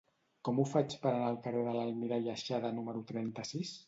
Com ho faig per anar al carrer de l'Almirall Aixada número trenta-sis?